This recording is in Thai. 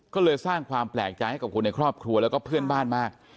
ก็เลยสร้างความแปลกใจให้กับคนในครอบครัวแล้วก็เพื่อนบ้านมาก